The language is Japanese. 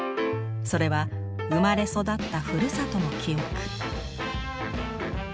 それは生まれ育ったふるさとの記憶。